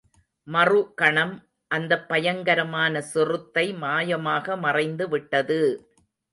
மறுகணம் அந்தப் பயங்கரமான சிறுத்தை மாயமாக மறைந்து விட்டது!